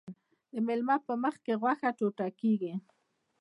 د میلمه په مخکې غوښه ټوټه کیږي.